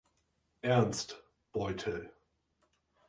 Ernst Beutel.